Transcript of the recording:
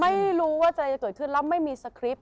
ไม่รู้ว่าจะเกิดขึ้นแล้วไม่มีสคริปต